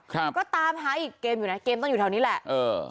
ครับก็ตามหาอีกเกมอยู่นะเกมต้องอยู่แถวนี้แหละเออ